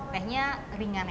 tehnya ringan ya